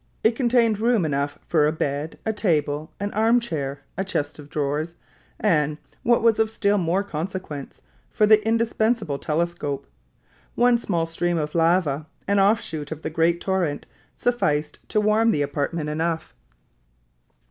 It contained room enough for a bed, a table, an arm chair, a chest of drawers, and, what was of still more consequence, for the indispensable telescope. One small stream of lava, an off shoot of the great torrent, sufficed to warm the apartment enough.